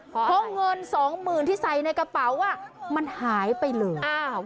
เพราะเงินสองหมื่นที่ใส่ในกระเป๋ามันหายไปเลย